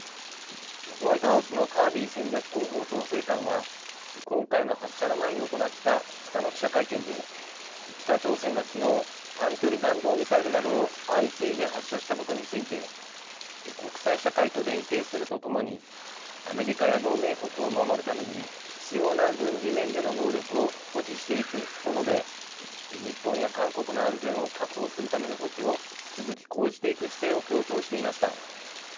ホワイトハウスのカービー戦略広報調整官は、今回の発射の前に行った２日の記者会見で、北朝鮮がきのう、短距離弾道ミサイルなどを相次いで発射したことについて、国際社会と連携するとともに、アメリカや同盟国を守るために、必要な軍事面での能力を保持していくと述べ、日本や韓国の安全を確保するための措置を引き続き講じていく姿勢を強調していました。